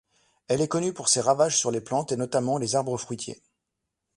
Elle est connue pour ses ravages sur les plantes, et notamment les arbres fruitiers.